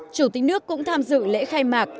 chủ tịch nước cũng tham dự lễ khai mạc